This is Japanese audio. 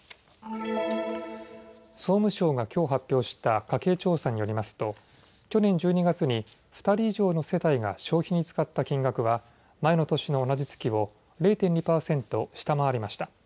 総務省がきょう発表した家計調査によりますと去年１２月に２人以上の世帯が消費に使った金額は前の年の同じ月を０．２％下回りました。